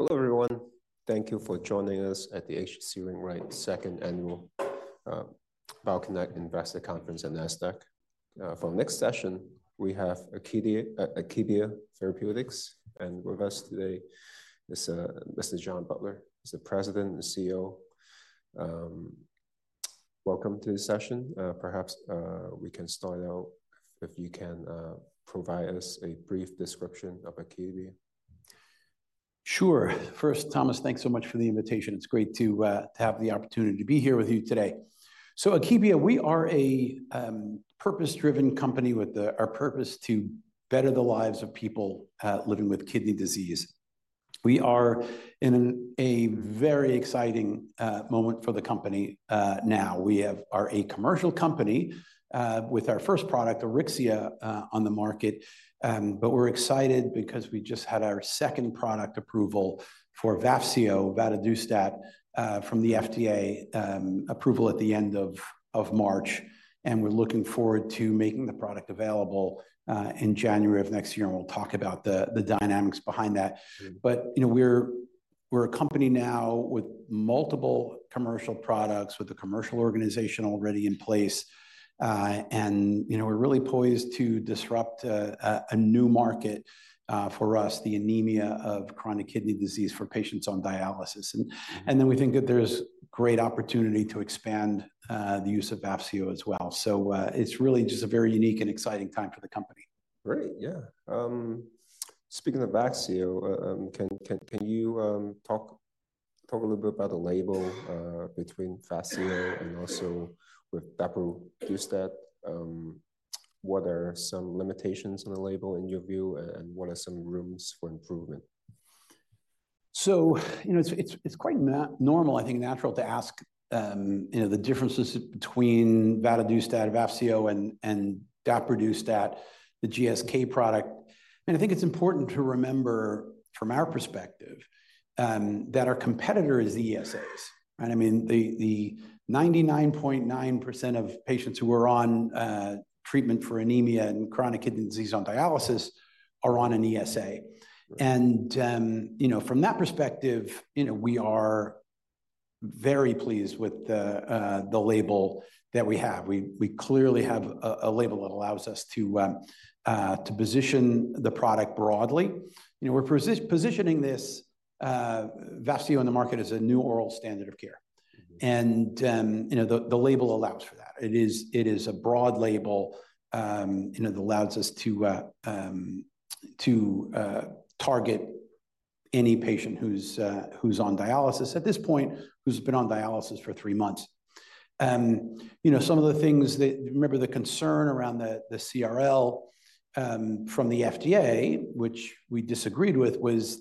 Hello, everyone. Thank you for joining us at the H.C. Wainwright Second Annual BioConnect Investor Conference at NASDAQ. For our next session, we have Akebia, Akebia Therapeutics. With us today is Mr. John Butler. He's the President and CEO. Welcome to the session. Perhaps we can start out if you can provide us a brief description of Akebia. Sure. First, Thomas, thanks so much for the invitation. It's great to, to have the opportunity to be here with you today. So at Akebia, we are a purpose-driven company with our purpose to better the lives of people living with kidney disease. We are in a very exciting moment for the company now. We are a commercial company with our first product, Auryxia, on the market. But we're excited because we just had our second product approval for Vafseo, vadadustat, from the FDA, approval at the end of March, and we're looking forward to making the product available in January of next year, and we'll talk about the dynamics behind that. But, you know, we're a company now with multiple commercial products, with a commercial organization already in place. And, you know, we're really poised to disrupt a new market for us, the anemia of chronic kidney disease for patients on dialysis. And then, we think that there's great opportunity to expand the use of Vafseo as well. So, it's really just a very unique and exciting time for the company. Great, yeah. Speaking of Vafseo, can you talk a little bit about the label between Vafseo and also with daprodustat? What are some limitations on the label, in your view, and what are some rooms for improvement? So, you know, it's quite normal, I think, natural to ask, you know, the differences between vadadustat, Vafseo, and daprodustat, the GSK product. I think it's important to remember, from our perspective, that our competitor is the ESAs, right? I mean, the 99.9% of patients who are on treatment for anemia and chronic kidney disease on dialysis are on an ESA. From that perspective, you know, we are very pleased with the label that we have. We clearly have a label that allows us to position the product broadly. You know, we're positioning this Vafseo in the market as a new oral standard of care. You know, the label allows for that. It is a broad label, you know, that allows us to target any patient who's on dialysis at this point, who's been on dialysis for three months. Remember the concern around the CRL from the FDA, which we disagreed with, was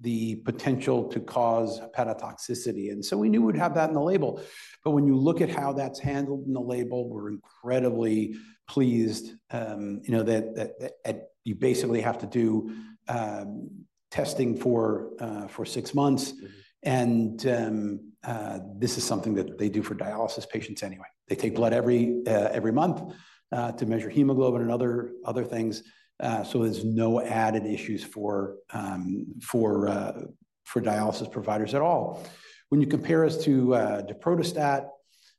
the potential to cause hepatotoxicity, and so we knew we'd have that in the label. But when you look at how that's handled in the label, we're incredibly pleased, you know, that you basically have to do testing for six months. And this is something that they do for dialysis patients anyway. They take blood every month to measure hemoglobin and other things, so there's no added issues for dialysis providers at all. When you compare us to daprodustat,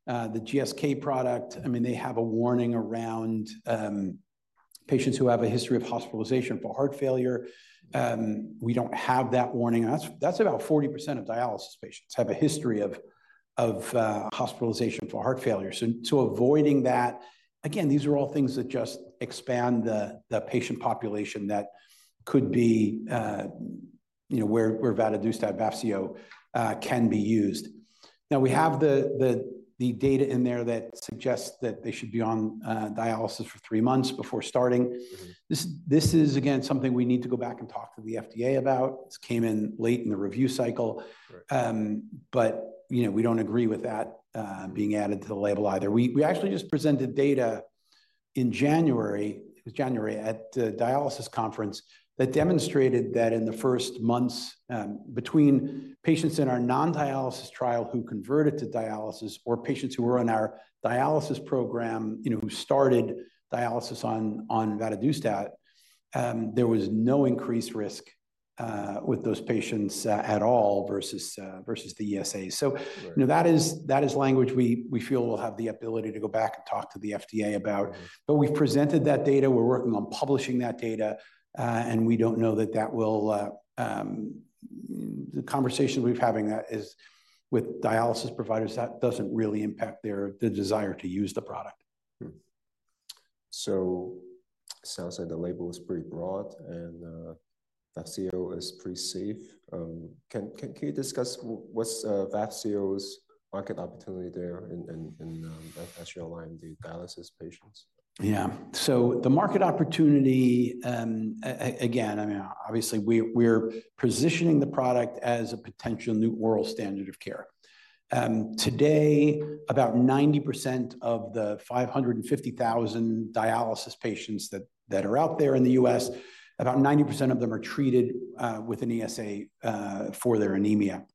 the GSK product, I mean, they have a warning around patients who have a history of hospitalization for heart failure. We don't have that warning, and that's about 40% of dialysis patients have a history of hospitalization for heart failure. So avoiding that, again, these are all things that just expand the patient population that could be, you know, where vadadustat, Vafseo, can be used. Now, we have the data in there that suggests that they should be on dialysis for three months before starting. This is, again, something we need to go back and talk to the FDA about. This came in late in the review cycle. But, you know, we don't agree with that being added to the label either. We actually just presented data in January, it was January, at a dialysis conference that demonstrated that in the first months, between patients in our non-dialysis trial who converted to dialysis or patients who were in our dialysis program, you know, who started dialysis on vadadustat, there was no increased risk with those patients at all versus the ESA. You know, that is language we feel we'll have the ability to go back and talk to the FDA about. But we've presented that data, we're working on publishing that data, and we don't know that that will. The conversations we've been having is with dialysis providers, that doesn't really impact their the desire to use the product. So sounds like the label is pretty broad, and Vafseo is pretty safe. Can you discuss what's Vafseo's market opportunity there in actually allowing the dialysis patients? Yeah. So the market opportunity, again, I mean, obviously, we're positioning the product as a potential new oral standard of care. Today, about 90% of the 550,000 dialysis patients that are out there in the US, about 90% of them are treated with an ESA for their anemia.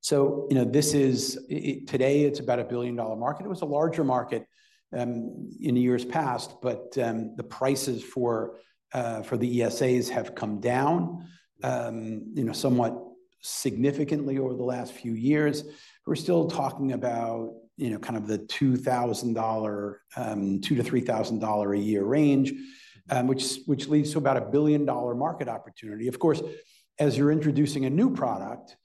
So, you know, this is it today, it's about a billion-dollar market. It was a larger market in years past, but the prices for the ESAs have come down, you know, somewhat significantly over the last few years. We're still talking about, you know, kind of the $2,000-$3,000 a year range, which leads to about a billion-dollar market opportunity. Of course, as you're introducing a new product,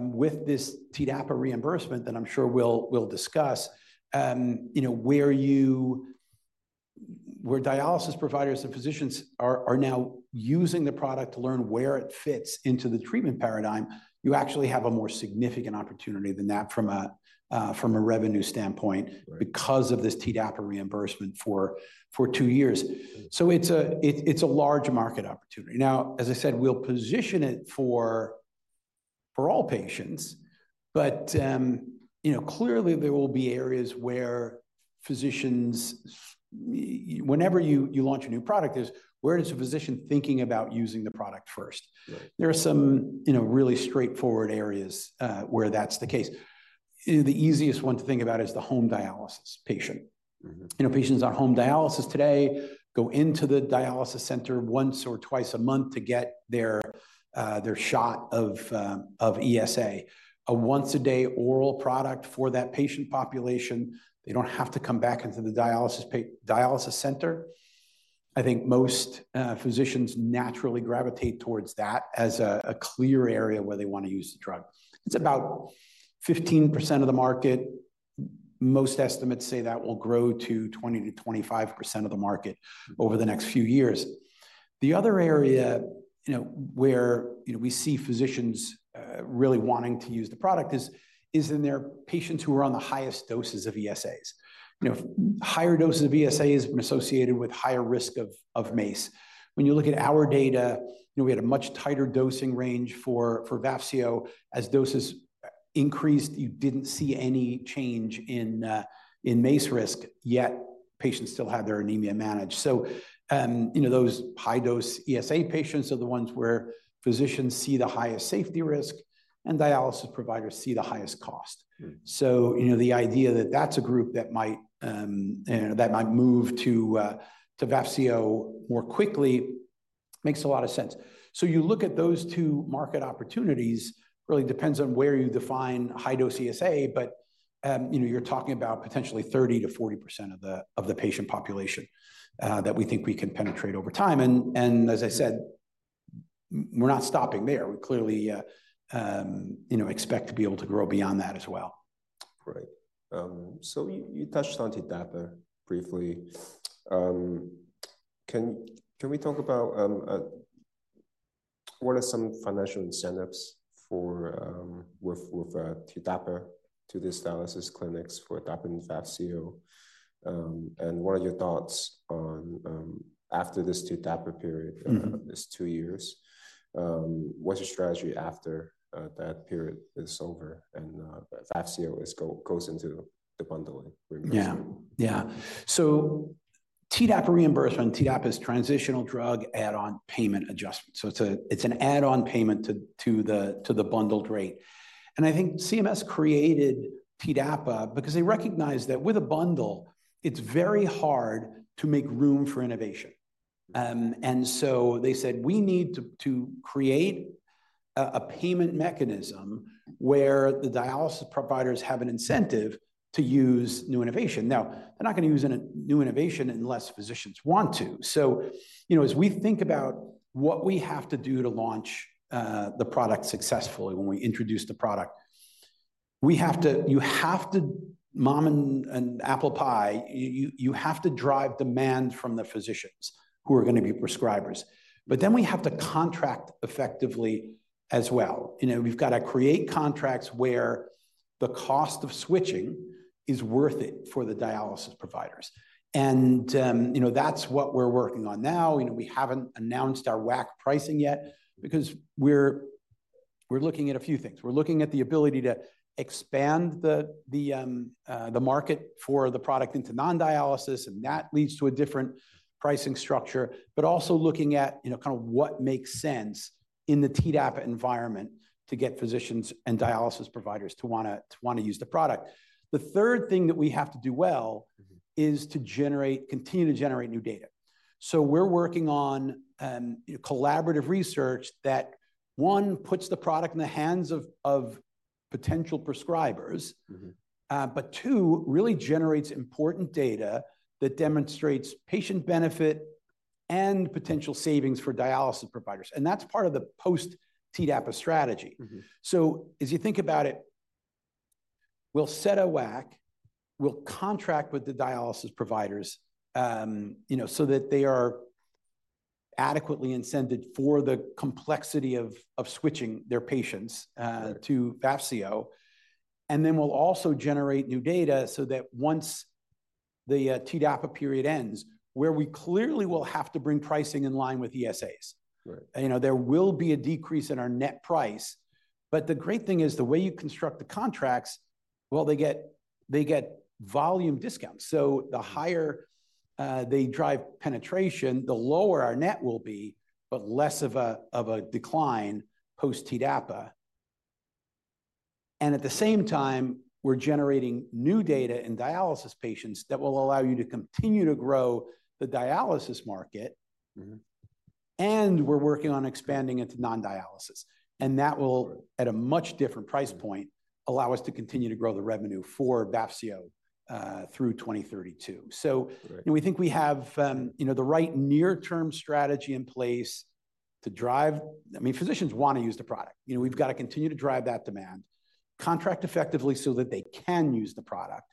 with this TDAPA reimbursement that I'm sure we'll discuss, you know, dialysis providers and physicians are now using the product to learn where it fits into the treatment paradigm, you actually have a more significant opportunity than that from a revenue standpoint because of this TDAPA reimbursement for two years. So it's a large market opportunity. Now, as I said, we'll position it for all patients, but, you know, clearly there will be areas where physicians, whenever you launch a new product, there's where is the physician thinking about using the product first? There are some, you know, really straightforward areas, where that's the case. The easiest one to think about is the home dialysis patient. You know, patients on home dialysis today go into the dialysis center once or twice a month to get their shot of ESA. A once-a-day oral product for that patient population, they don't have to come back into the dialysis center. I think most physicians naturally gravitate towards that as a clear area where they want to use the drug. It's about 15% of the market. Most estimates say that will grow to 20%-25% of the market over the next few years. The other area, you know, where we see physicians really wanting to use the product is in their patients who are on the highest doses of ESAs. You know, higher doses of ESAs are associated with higher risk of MACE. When you look at our data, you know, we had a much tighter dosing range for Vafseo. As doses increased, you didn't see any change in MACE risk, yet patients still had their anemia managed. So, you know, those high-dose ESA patients are the ones where physicians see the highest safety risk, and dialysis providers see the highest cost. So, you know, the idea that that's a group that might, that might move to, to Vafseo more quickly makes a lot of sense. So you look at those two market opportunities, really depends on where you define high-dose ESA, but, you know, you're talking about potentially 30%-40% of the patient population, that we think we can penetrate over time, and as I said, we're not stopping there. We clearly, you know, expect to be able to grow beyond that as well. Right. So you touched on TDAPA briefly. Can we talk about what are some financial incentives for with TDAPA to these dialysis clinics for TDAPA and Vafseo? And what are your thoughts on after this TDAPA period this two years, what's your strategy after that period is over and Vafseo goes into the bundling reimbursement? Yeah. Yeah. So TDAPA reimbursement, TDAPA is transitional drug add-on payment adjustment. So it's a, it's an add-on payment to the bundled rate. And I think CMS created TDAPA because they recognized that with a bundle, it's very hard to make room for innovation. And so they said: "We need to create a payment mechanism where the dialysis providers have an incentive to use new innovation." Now, they're not gonna use a new innovation unless physicians want to. So, you know, as we think about what we have to do to launch the product successfully when we introduce the product, we have to— you have to, mom and apple pie, you have to drive demand from the physicians who are gonna be prescribers. But then we have to contract effectively as well. You know, we've got to create contracts where the cost of switching is worth it for the dialysis providers. You know, that's what we're working on now. You know, we haven't announced our WAC pricing yet because we're looking at a few things. We're looking at the ability to expand the market for the product into non-dialysis, and that leads to a different pricing structure, but also looking at, you know, kind of what makes sense in the TDAPA environment to get physicians and dialysis providers to wanna use the product. The third thing that we have to do well- is to generate, continue to generate new data. So we're working on collaborative research that, one, puts the product in the hands of potential prescribers But two, really generates important data that demonstrates patient benefit and potential savings for dialysis providers, and that's part of the post-TDAPA strategy. So as you think about it, we'll set a WAC, we'll contract with the dialysis providers, you know, so that they are adequately incented for the complexity of switching their patients to Vafseo, and then we'll also generate new data so that once the TDAPA period ends, where we clearly will have to bring pricing in line with ESAs. You know, there will be a decrease in our net price, but the great thing is, the way you construct the contracts. Well, they get volume discounts. So the higher they drive penetration, the lower our net will be, but less of a decline post-TDAPA. And at the same time, we're generating new data in dialysis patients that will allow you to continue to grow the dialysis market. We're working on expanding into non-dialysis, and that will at a much different price point, allow us to continue to grow the revenue for Vafseo, through 2032. We think we have, you know, the right near-term strategy in place to drive, I mean, physicians wanna use the product. You know, we've got to continue to drive that demand, contract effectively so that they can use the product,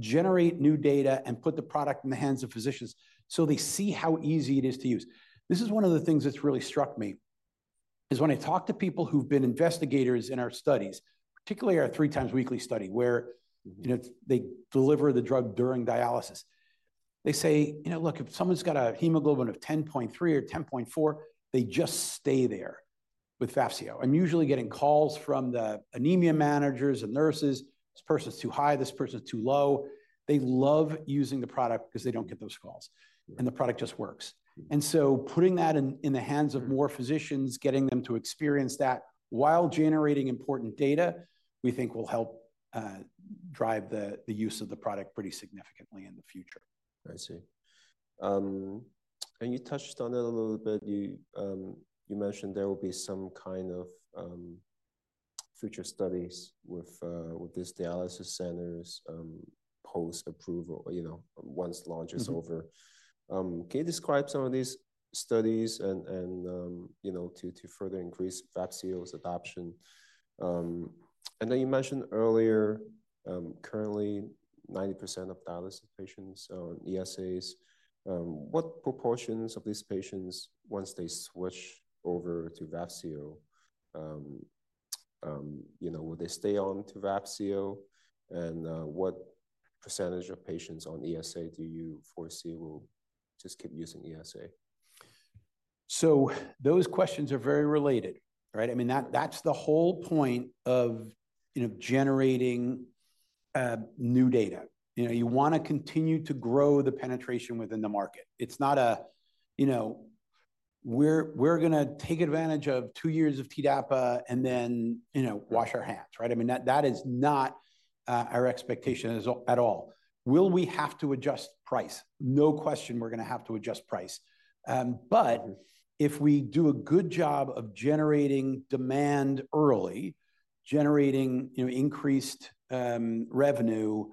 generate new data, and put the product in the hands of physicians so they see how easy it is to use. This is one of the things that's really struck me, is when I talk to people who've been investigators in our studies, particularly our 3x-weekly study, where you know, they deliver the drug during dialysis. They say: "You know, look, if someone's got a hemoglobin of 10.3 or 10.4, they just stay there with Vafseo. I'm usually getting calls from the anemia managers and nurses. 'This person's too high, this person's too low.' They love using the product 'cause they don't get those calls and the product just works. And so putting that in the hands of more physicians, getting them to experience that while generating important data, we think will help drive the use of the product pretty significantly in the future. I see. You touched on it a little bit. You mentioned there will be some kind of future studies with these dialysis centers, post-approval, you know, once launch is over. Can you describe some of these studies and you know, to further increase Vafseo's adoption? And then you mentioned earlier, currently 90% of dialysis patients on ESAs. What proportions of these patients, once they switch over to Vafseo, you know, will they stay on to Vafseo? And, what percentage of patients on ESA do you foresee will just keep using ESA? So those questions are very related, right? I mean, that, that's the whole point of, you know, generating new data. You know, you wanna continue to grow the penetration within the market. It's not a, you know, we're gonna take advantage of two years of TDAPA, and then wash our hands, right? I mean, that, that is not our expectation at all. Will we have to adjust price? No question we're gonna have to adjust price. But if we do a good job of generating demand early, generating, you know, increased revenue,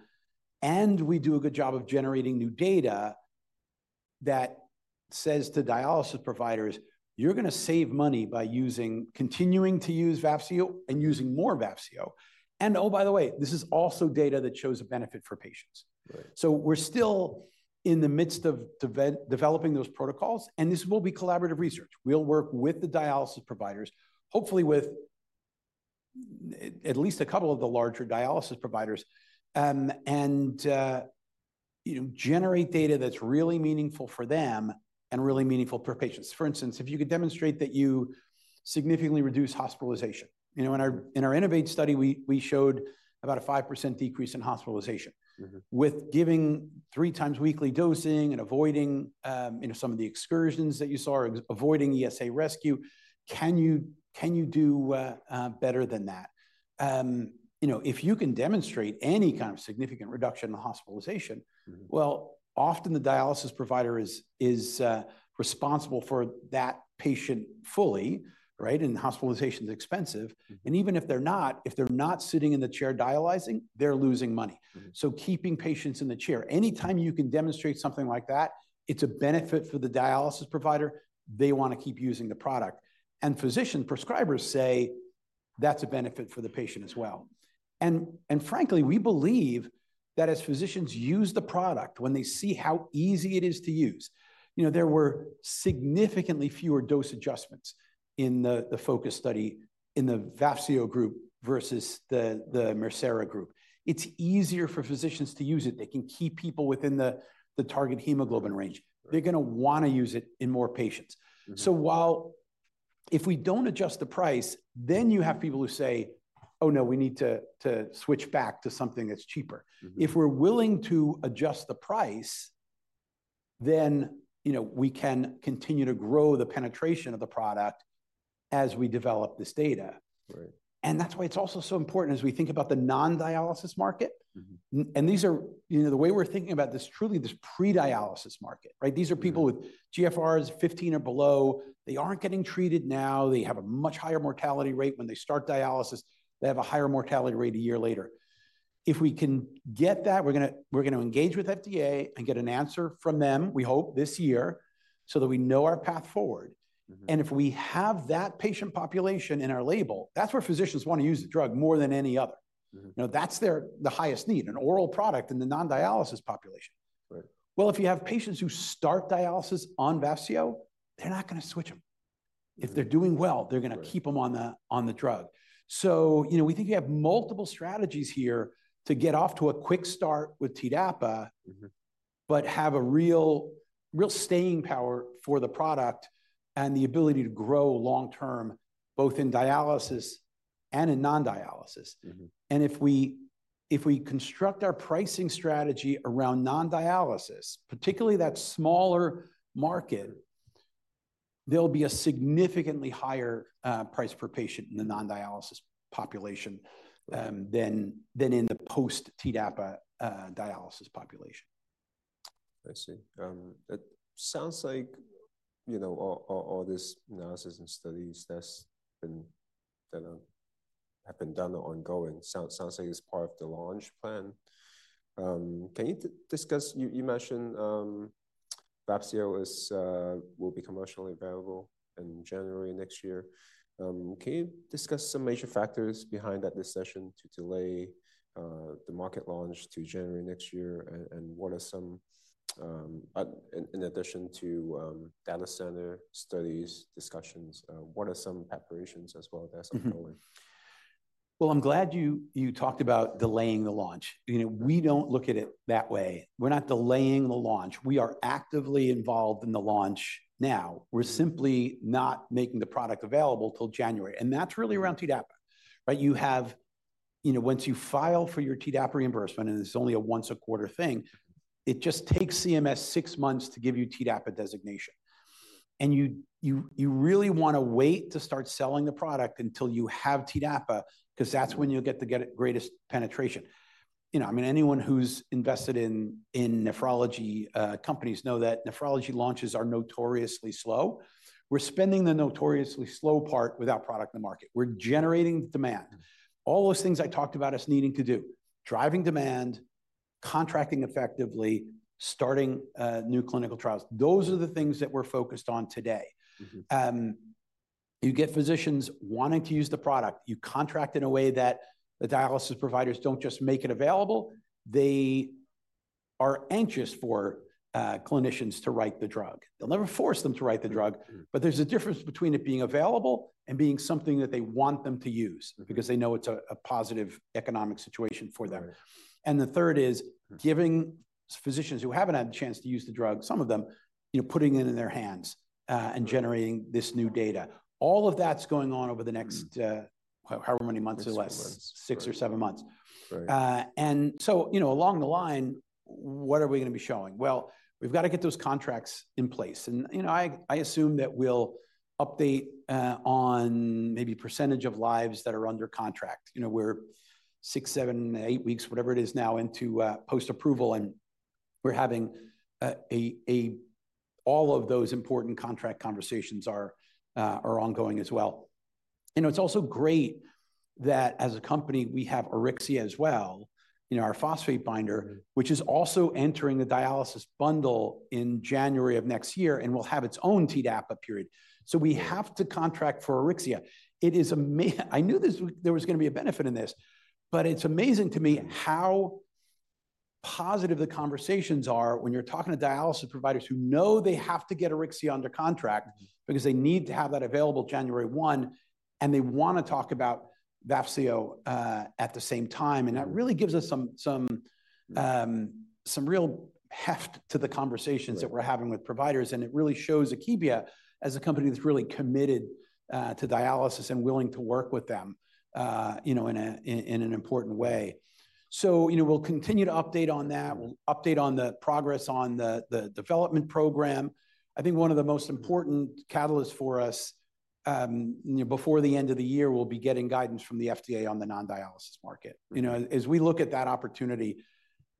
and we do a good job of generating new data, that says to dialysis providers: "You're gonna save money by using continuing to use Vafseo and using more Vafseo. And oh, by the way, this is also data that shows a benefit for patients. So we're still in the midst of developing those protocols, and this will be collaborative research. We'll work with the dialysis providers, hopefully with at least a couple of the larger dialysis providers, and, you know, generate data that's really meaningful for them and really meaningful for patients. For instance, if you could demonstrate that you significantly reduce hospitalization. You know, in our INNO2VATE study, we showed about a 5% decrease in hospitalization. With giving 3x-weekly dosing and avoiding, you know, some of the excursions that you saw, or avoiding ESA rescue, can you, can you do better than that? You know, if you can demonstrate any kind of significant reduction in the hospitalization. Well, often the dialysis provider is responsible for that patient fully, right? Hospitalization's expensive. Even if they're not, if they're not sitting in the chair dialyzing, they're losing money. So keeping patients in the chair, anytime you can demonstrate something like that, it's a benefit for the dialysis provider. They wanna keep using the product. And physician prescribers say that's a benefit for the patient as well. And frankly, we believe that as physicians use the product, when they see how easy it is to use. There were significantly fewer dose adjustments in the FO2CUS study in the Vafseo group versus the Mircera group. It's easier for physicians to use it. They can keep people within the target hemoglobin range. They're gonna wanna use it in more patients. So while if we don't adjust the price, then you have people who say: "Oh, no, we need to switch back to something that's cheaper. If we're willing to adjust the price, then we can continue to grow the penetration of the product as we develop this data. That's why it's also so important as we think about the non-dialysis market. The way we're thinking about this, truly this pre-dialysis market, right? These are people with GFRs 15 or below. They aren't getting treated now. They have a much higher mortality rate when they start dialysis. They have a higher mortality rate a year later. If we can get that, we're gonna, we're gonna engage with FDA and get an answer from them, we hope this year, so that we know our path forward. If we have that patient population in our label, that's where physicians wanna use the drug more than any other. Now, that's the highest need, an oral product in the non-dialysis population. Well, if you have patients who start dialysis on Vafseo, they're not gonna switch them. If they're doing well they're gonna keep them on the drug. So, you know, we think you have multiple strategies here to get off to a quick start with TDAPA. But have a real, real staying power for the product and the ability to grow long term, both in dialysis and in non-dialysis. If we construct our pricing strategy around non-dialysis, particularly that smaller market, there'll be a significantly higher price per patient in the non-dialysis population than in the post-TDAPA dialysis population. I see. It sounds like, you know, all this analysis and studies that have been done or ongoing, sounds like it's part of the launch plan. Can you discuss. You mentioned Vafseo will be commercially available in January next year. Can you discuss some major factors behind that decision to delay the market launch to January next year? And what are some in addition to data-centric studies, discussions, what are some preparations as well that's ongoing? Mm-hmm. Well, I'm glad you talked about delaying the launch. You know, we don't look at it that way. We're not delaying the launch. We are actively involved in the launch now. We're simply not making the product available till January, and that's really around TDAPA. Right, once you file for your TDAPA reimbursement, and it's only a once a quarter thing, it just takes CMS six months to give you TDAPA designation. And you really wanna wait to start selling the product until you have TDAPA, 'cause that's when you'll get the greatest penetration. You know, I mean, anyone who's invested in nephrology companies know that nephrology launches are notoriously slow. We're spending the notoriously slow part with our product in the market. We're generating demand. All those things I talked about us needing to do: driving demand, contracting effectively, starting new clinical trials. Those are the things that we're focused on today. You get physicians wanting to use the product. You contract in a way that the dialysis providers don't just make it available, they are anxious for clinicians to write the drug. They'll never force them to write the drug. But there's a difference between it being available and being something that they want them to use because they know it's a positive economic situation for them. And the third is giving physicians who haven't had the chance to use the drug, some of them, you know, putting it in their hands and generating this new data. All of that's going on over the next however many months or less. Six months. 6 or 7 months. Right. and so, you know, along the line, what are we gonna be showing? Well, we've got to get those contracts in place. You know, I assume that we'll update on maybe percentage of lives that are under contract. You know, we're 6, 7, 8 weeks, whatever it is now, into post-approval, and we're having all of those important contract conversations are ongoing as well. You know, it's also great that, as a company, we have Auryxia as well, you know, our phosphate binder which is also entering the dialysis bundle in January of next year and will have its own TDAPA period. So we have to contract for Auryxia. I knew there was gonna be a benefit in this, but it's amazing to me how positive the conversations are when you're talking to dialysis providers who know they have to get Auryxia under contract because they need to have that available January 1, and they wanna talk about Vafseo at the same time. That really gives us some real heft to the conversations that we're having with providers, and it really shows Akebia as a company that's really committed to dialysis and willing to work with them, you know, in an important way. So, you know, we'll continue to update on that. We'll update on the progress on the development program. I think one of the most important catalysts for us, you know, before the end of the year, we'll be getting guidance from the FDA on the non-dialysis market. You know, as we look at that opportunity,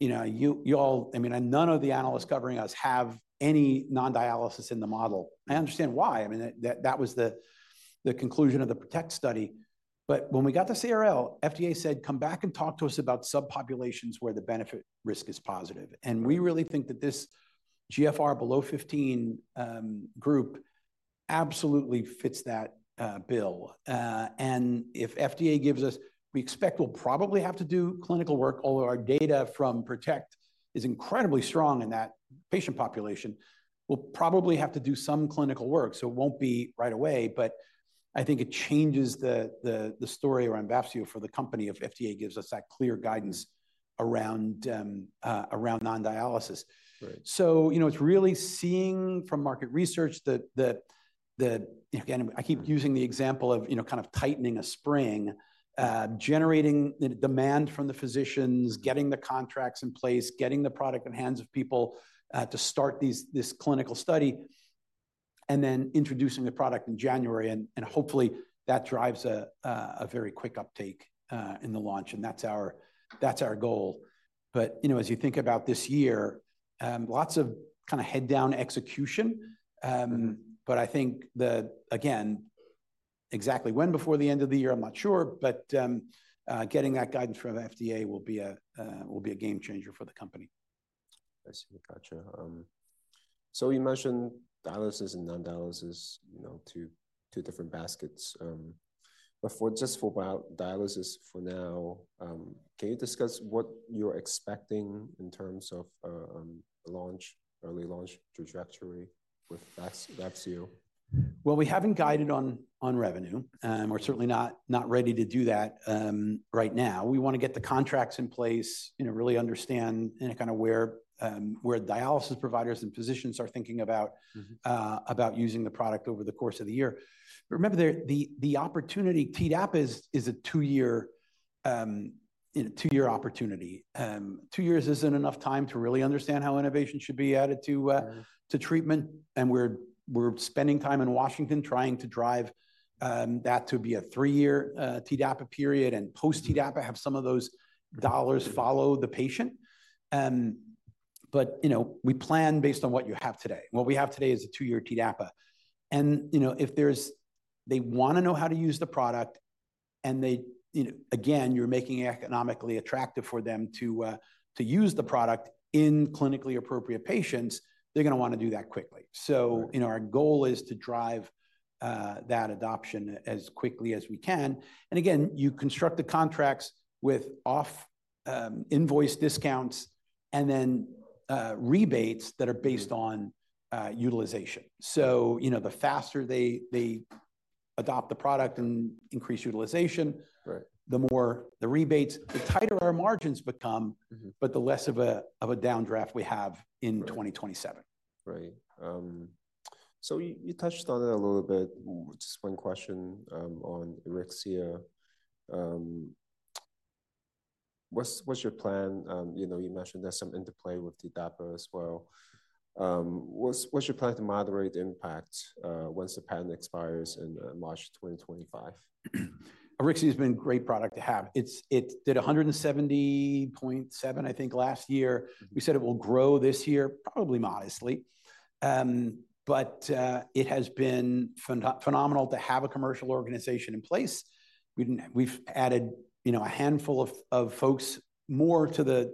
you know, you all—I mean, and none of the analysts covering us have any non-dialysis in the model. I understand why. I mean, that, that was the, the conclusion of the PRO2TECT study. But when we got the CRL, FDA said, "Come back and talk to us about subpopulations where the benefit-risk is positive. We really think that this GFR below 15 group absolutely fits that bill. And if FDA gives us. We expect we'll probably have to do clinical work, although our data from PRO2TECT is incredibly strong in that patient population. We'll probably have to do some clinical work, so it won't be right away, but I think it changes the story around Vafseo for the company if FDA gives us that clear guidance around non-dialysis. So, you know, it's really seeing from market research that, you know, again, I keep using the example of, you know, kind of tightening a spring, generating the demand from the physicians, getting the contracts in place, getting the product in the hands of people, to start this clinical study, and then introducing the product in January, and hopefully that drives a very quick uptake in the launch. And that's our goal. But, you know, as you think about this year, lots of kind of head-down execution. Again, exactly when before the end of the year, I'm not sure, but getting that guidance from the FDA will be a game-changer for the company. I see. Gotcha. So you mentioned dialysis and non-dialysis, you know, two different baskets. But for just dialysis for now, can you discuss what you're expecting in terms of launch, early launch trajectory with Vafseo? Well, we haven't guided on revenue. We're certainly not ready to do that right now. We wanna get the contracts in place, you know, really understand in a kinda where dialysis providers and physicians are thinking about about using the product over the course of the year. Remember, the opportunity, TDAPA is a 2-year opportunity. Two years isn't enough time to really understand how innovation should be added to treatment, and we're spending time in Washington trying to drive that to be a 3-year TDAPA period, and post-TDAPA, have some of those dollars follow the patient. But, you know, we plan based on what you have today, and what we have today is a 2-year TDAPA. And, you know, if there's, they wanna know how to use the product, and they, you know, again, you're making it economically attractive for them to use the product in clinically appropriate patients, they're gonna wanna do that quickly. So, you know, our goal is to drive that adoption as quickly as we can. And again, you construct the contracts with off invoice discounts, and then rebates that are based on utilization. So, you know, the faster they adopt the product and increase utilization the more the rebates, the tighter our margins become but the less of a downdraft we have in 2027. Right. So you touched on it a little bit, just one question, on Auryxia. What's, what's your plan? You know, you mentioned there's some interplay with TDAPA as well. What's, what's your plan to moderate the impact, once the patent expires in, March 2025? Auryxia's been a great product to have. It did $170.7 million, I think, last year. We said it will grow this year, probably modestly. But it has been phenomenal to have a commercial organization in place. We've added, you know, a handful of folks more to the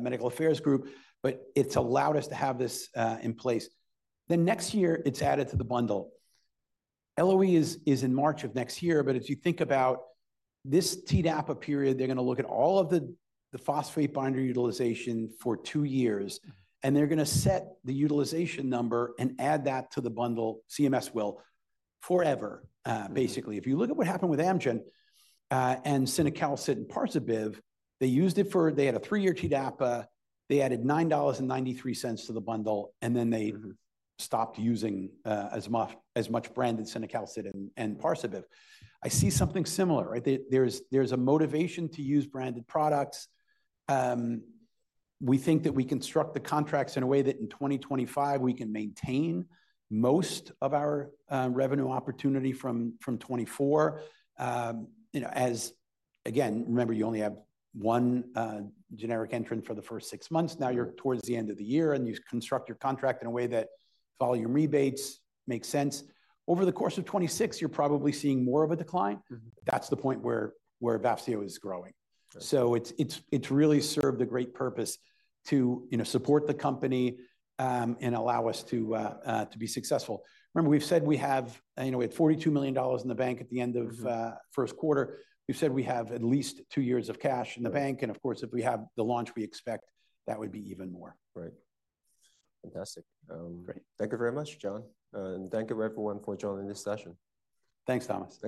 medical affairs group, but it's allowed us to have this in place. Then, next year, it's added to the bundle. LOE is in March of next year, but if you think about this TDAPA period, they're gonna look at all of the phosphate binder utilization for two years, and they're gonna set the utilization number and add that to the bundle, CMS will, forever basically. If you look at what happened with Amgen, and cinacalcet and Parsabiv, they had a three-year TDAPA. They added $9.93 to the bundle, and then they stopped using as much branded cinacalcet and Parsabiv. I see something similar, right? There's a motivation to use branded products. We think that we construct the contracts in a way that in 2025, we can maintain most of our revenue opportunity from 2024. You know, as again, remember, you only have one generic entrant for the first six months. Now, you're towards the end of the year, and you construct your contract in a way that all your rebates make sense. Over the course of 2026, you're probably seeing more of a decline. That's the point where Vafseo is growing. So it's really served a great purpose to, you know, support the company, and allow us to, to be successful. Remember, we've said we have, you know, we had $42 million in the bank at the end of first quarter. We've said we have at least two years of cash in the bankand of course, if we have the launch we expect, that would be even more. Right. Fantastic. Great. Thank you very much, John, and thank you, everyone, for joining this session. Thanks, Thomas.